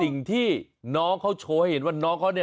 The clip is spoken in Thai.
นี่คำถามแรกกลัวไหม